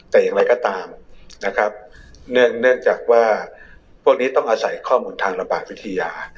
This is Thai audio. แต่อย่างไรก็ตามนะครับเนื่องจากว่าพวกนี้ต้องอาศัยข้อมูลทางระบาดวิทยา